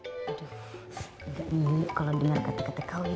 nggak nyenyuk kalo denger kata kata kawin